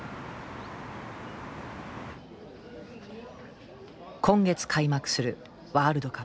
今月開幕するワールドカップ。